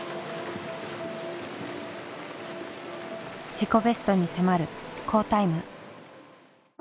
自己ベストに迫る好タイム。